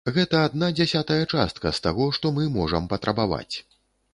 Гэта адна дзясятая частка з таго, што мы можам патрабаваць.